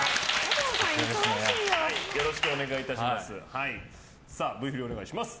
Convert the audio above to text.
よろしくお願いします。